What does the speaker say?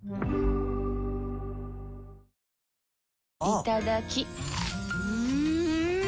いただきっ！